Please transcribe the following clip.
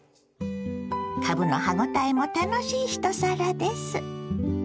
かぶの歯応えも楽しい一皿です。